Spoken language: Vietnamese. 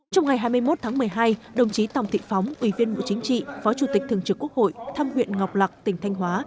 trong ngày hai mươi một tháng một mươi hai đồng chí tòng thị phóng ủy viên bộ chính trị phó chủ tịch thường trực quốc hội thăm huyện ngọc lạc tỉnh thanh hóa